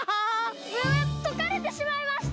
むむっとかれてしまいました。